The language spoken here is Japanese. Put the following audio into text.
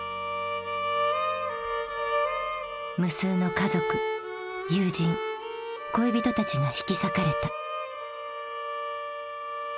無数の家族友人恋人たちが引き裂かれた。